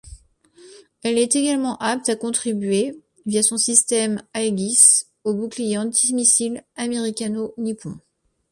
Elle est également apte à contribuer, via son système Aegis, au bouclier antimissile américano-nippon.